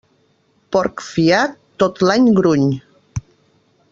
Porc fiat tot l'any gruny.